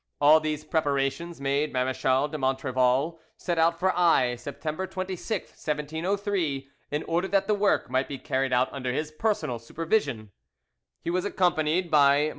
All these preparations made Marechal de Montrevel set out for Aix, September 26th, 1703, in order that the work might be carried out under his personal supervision. He was accompanied by MM.